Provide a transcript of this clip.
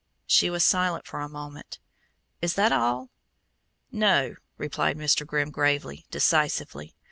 She was silent for a moment. "Is that all?" "No," replied Mr. Grimm gravely, decisively.